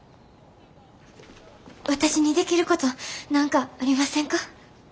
私にできること何かありませんか。